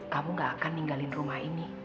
kamu gak akan ninggalin rumah ini